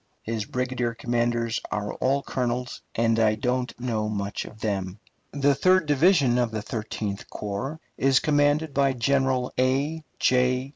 His brigade commanders are all colonels, and I don't know much of them. The third division of the Thirteenth Corps is commanded by General A. J.